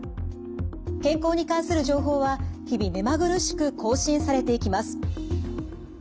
健康に関する情報は日々目まぐるしく更新されていきます。